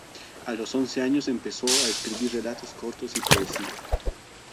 A los once años empezó a escribir relatos cortos y poesía.